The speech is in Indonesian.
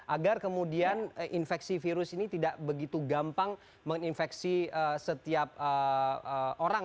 agar kemudian infeksi virus ini tidak begitu gampang menginfeksi setiap orang